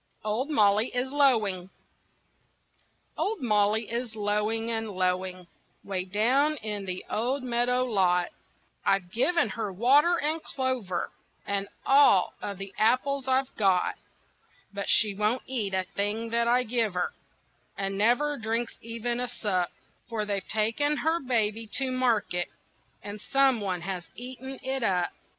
OLD MOLLY IS LOWING Old Molly is lowing and lowing 'Way down in the old meadow lot. I've given her water and clover, And all of the apples I've got; But she won't eat a thing that I give her, And never drinks even a sup, For they've taken her baby to market And some one has eaten it up.